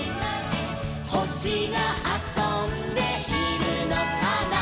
「ほしがあそんでいるのかな」